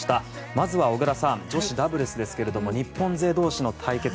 まずは小椋さん女子ダブルスですけれども日本勢同士の対決